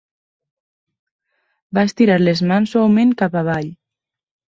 Va estirar les mans suaument cap avall.